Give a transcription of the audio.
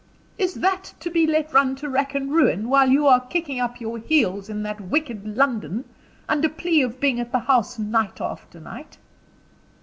"Is that to be let run to rack and ruin, while you are kicking up your heels in that wicked London, under plea of being at the House night after night?"